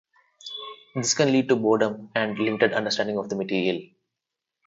This can lead to boredom and limited understanding of the material.